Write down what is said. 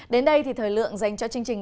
đến đây thì thời lượng dành cho chương trình